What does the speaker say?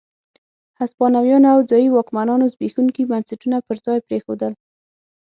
هسپانويانو او ځايي واکمنانو زبېښونکي بنسټونه پر ځای پرېښودل.